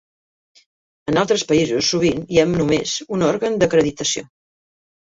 En altres països sovint hi ha només un òrgan d'acreditació.